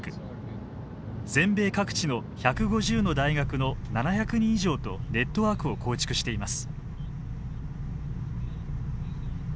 全米各地の１５０の大学の７００人以上とネットワークを構築しています。